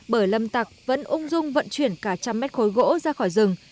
bởi lâm tặc vẫn ung dung vận chuyển cả trăm mét khối gỗ ra khỏi rừng